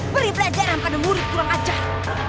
beri pelajaran pada murid kranacar